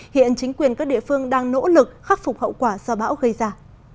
hiện chính quyền các địa phương đang nỗ lực khắc phục hậu quả do bão gây ra